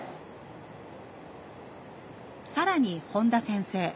更に本田先生